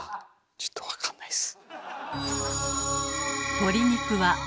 ちょっと分かんないっす。